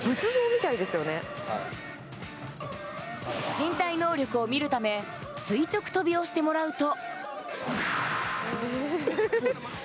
身体能力を見るため、垂直跳びをしてもらうと。